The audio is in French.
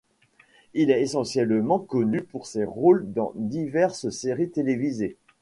Il est essentiellement connu pour ses rôles dans diverses séries télévisées.